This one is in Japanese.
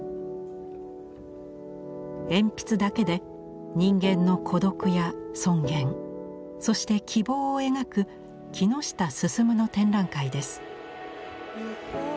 鉛筆だけで人間の孤独や尊厳そして希望を描く木下晋の展覧会です。